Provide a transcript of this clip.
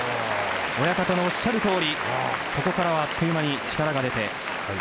親方のおっしゃるとおりそこからあっという間に力が出て。